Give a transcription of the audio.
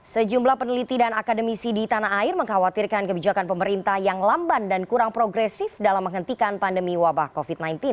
sejumlah peneliti dan akademisi di tanah air mengkhawatirkan kebijakan pemerintah yang lamban dan kurang progresif dalam menghentikan pandemi wabah covid sembilan belas